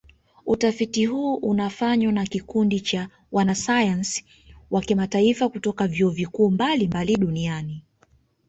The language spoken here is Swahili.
Utafiti huu unafanywa na kikundi cha wanasayansi wa kimataifa kutoka vyuo vikuu mbalimbali duniani